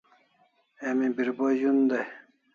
Emi bribo zun dai